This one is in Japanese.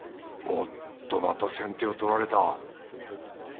おっとまた先手を取られた！